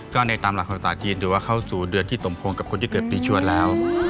ก็ในตามหลักภาษาจีนถือว่าเข้าสู่เดือนที่สมพงษ์กับคนที่เกิดปีชวดแล้ว